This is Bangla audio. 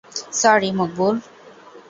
স্যরি, মকবুল।